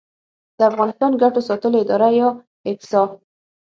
د افغانستان ګټو ساتلو اداره یا اګسا